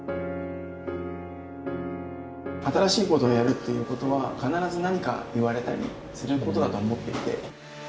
新しいことをやるということは必ず何か言われたりすることだと思っていて。